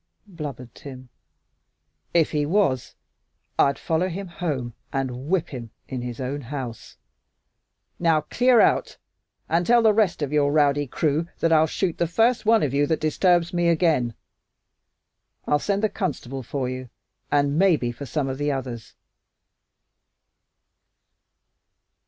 blubbered Tim. "If he was, I'd follow him home and whip him in his own house. Now, clear out, and tell the rest of your rowdy crew that I'll shoot the first one of you that disturbs me again. I'll send the constable for you, and maybe for some of the others."